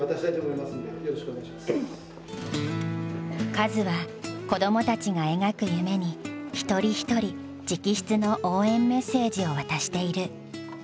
カズは子供たちが描く夢に一人一人直筆の応援メッセージを渡している。